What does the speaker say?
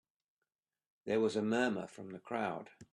There was a murmur from the crowd.